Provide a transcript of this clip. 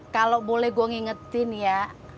kalau boleh gue ngingetin ya